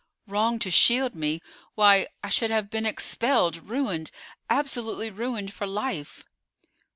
"Wrong to shield me! Why, I should have been expelled, ruined; absolutely ruined for life."